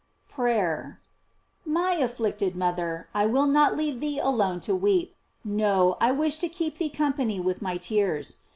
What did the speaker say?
PKAYEK. My afflicted mother, I will not leave thee alone to weep; no, I wish to keep thee company with my tears.